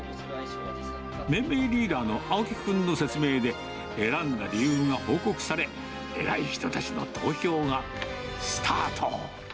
命名リーダーの青木君の説明で、選んだ理由が報告され、偉い人たちの投票がスタート！